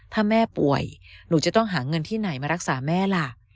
ถ้าแม่ป่วยหนูจะต้องหาเงินที่ไหนมารักษาแม่ล่ะ